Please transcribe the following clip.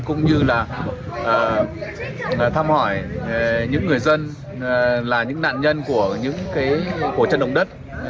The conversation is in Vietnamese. cũng như là thăm hỏi những người dân là những nạn nhân của những cái của chân đồng đất